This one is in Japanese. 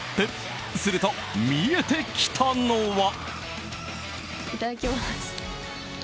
すると、見えてきたのは。